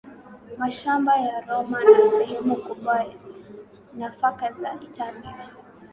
mashamba ya Roma na sehemu kubwa ya nafaka za Italia